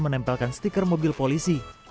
menempelkan stiker mobil polisi